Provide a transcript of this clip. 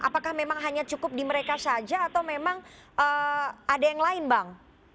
apakah memang hanya cukup di mereka saja atau memang ada yang lain bang